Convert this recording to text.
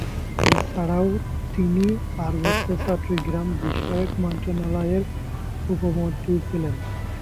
এছাড়াও তিনি পার্বত্য চট্টগ্রাম বিষয়ক মন্ত্রণালয়ের উপমন্ত্রী ছিলেন।